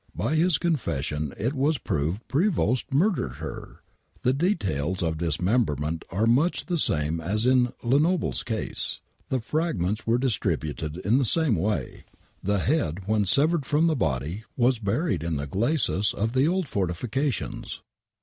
By his confession it was proved Prevost murdered her !! The details of dismemberment arc much the same as in Lenoble's case. The fragments were distributed in the same way. The head, when severed from the body, was buried in the glacis of the old fortifications.